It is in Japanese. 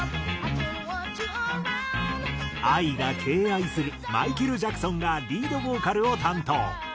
ＡＩが敬愛するマイケル・ジャクソンがリードボーカルを担当。